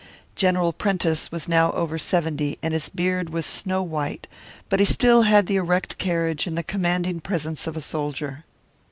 General Prentice was now over seventy, and his beard was snow white, but he still had the erect carriage and the commanding presence of a soldier.